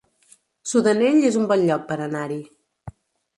Sudanell es un bon lloc per anar-hi